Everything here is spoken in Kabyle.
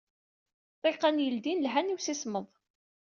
Ṭṭiqan yeldin llhan i usismeḍ.